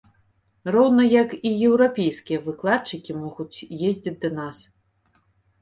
Роўна як і еўрапейскія выкладчыкі могуць ездзіць да нас.